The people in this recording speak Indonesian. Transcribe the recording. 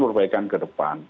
perbaikan ke depan